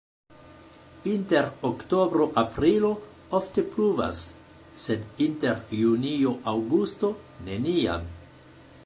Inter oktobro-aprilo ofte pluvas, sed inter junio-aŭgusto neniam.